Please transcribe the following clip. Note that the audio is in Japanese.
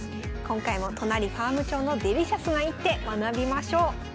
今回も都成ファーム長のデリシャスな一手学びましょう。